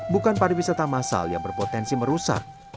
bukan pariwisata massal yang berpotensi merusak